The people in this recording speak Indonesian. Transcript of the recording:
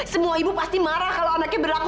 semua ibu pasti marah kalau anaknya berlaku